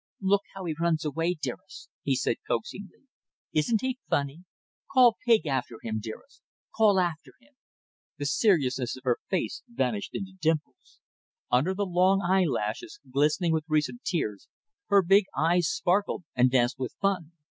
"Look how he runs away, dearest," he said, coaxingly. "Isn't he funny. Call 'pig' after him, dearest. Call after him." The seriousness of her face vanished into dimples. Under the long eyelashes, glistening with recent tears, her big eyes sparkled and danced with fun.